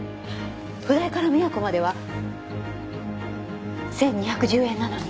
普代から宮古までは１２１０円なのに。